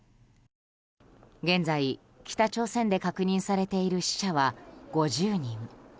現在、北朝鮮で確認されている死者は５０人。